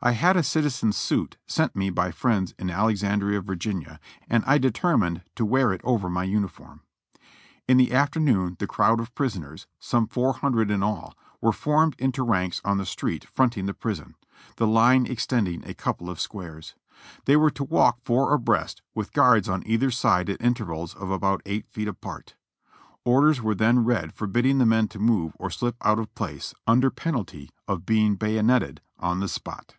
I had a citizen suit sent me by friends in Alexandria, Virginia, and I determined to wear it over my uniform. In the afternoon the crowd of prisoners, some four hundred in all, were formed into ranks on the street fronting the prison, the line extending a couple of squares. They were to walk four abreast with guards on either side at intervals of about eight feet apart. Orders were then read forbidding the men to move or slip out of place, under penalty of being bayoneted on the spot.